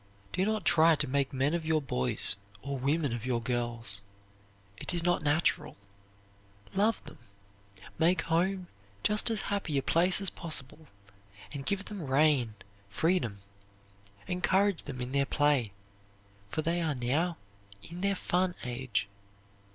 Do not try to make men of your boys or women of your girls. It is not natural. Love them. Make home just as happy a place as possible, and give them rein, freedom. Encourage them in their play, for they are now in their fun age.